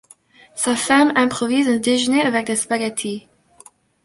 Sa femme improvise un déjeuner avec des spaghettis.